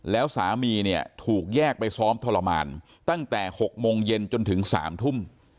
แล้วสามีเนี่ยถูกแยกไปซ้อมทรมานตั้งแต่๖โมงเย็นจนถึง๓ทุ่ม